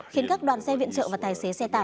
khiến các đoàn xe viện trợ và tài xế xe tải